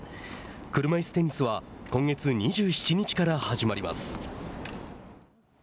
車いすテニスは今月２７日から始まります。